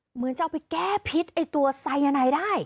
เหมือนจะเอาไปแก้พิษไอ้ตัวไซยาไนได้